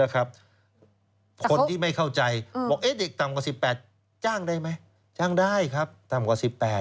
คนที่ไม่เข้าใจบอกเด็กต่ำกว่า๑๘จ้างได้ไหมจ้างได้ครับต่ำกว่า๑๘